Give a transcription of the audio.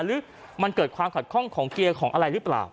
หรือมันเกิดความขัดข้องของเกียร์ของอะไรหรือเปล่า